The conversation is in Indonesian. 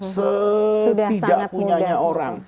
setidak punya orang